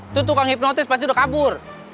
itu tukang hipnotis pasti udah kabur